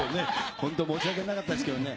本当、申し訳なかったですけどね。